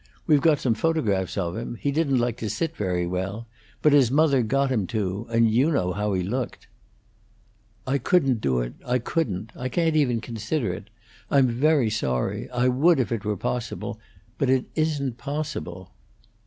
"We got some photographs of him; he didn't like to sit very well; but his mother got him to; and you know how he looked." "I couldn't do it I couldn't. I can't even consider it. I'm very sorry. I would, if it were possible. But it isn't possible."